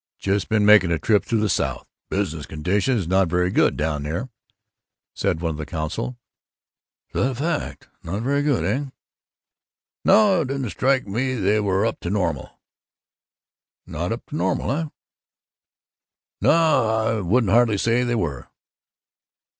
"Just been making a trip through the South. Business conditions not very good down there," said one of the council. "Is that a fact! Not very good, eh?" "No, didn't strike me they were up to normal." "Not up to normal, eh?" "No, I wouldn't hardly say they were."